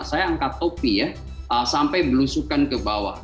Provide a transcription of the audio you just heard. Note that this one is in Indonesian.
saya angkat topi ya sampai belusukan ke bawah